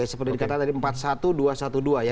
seperti yang dikatakan tadi empat satu dua satu dua